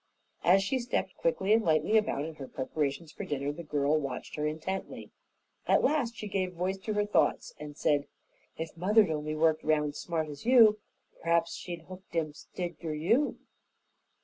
As she stepped quickly and lightly about in her preparations for dinner, the girl watched her intently. At last she gave voice to her thoughts and said, "If mother'd only worked round smart as you, p'raps she'd hooked him 'stid er you."